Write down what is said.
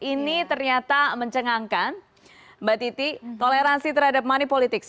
ini ternyata mencengangkan mbak titi toleransi terhadap money politics